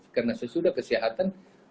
karena sesudah kesehatan